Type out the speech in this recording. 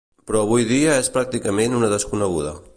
Però avui dia és pràcticament una desconeguda.